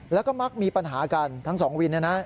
แล้วก็มักมีปัญหากันทั้ง๒วินนะ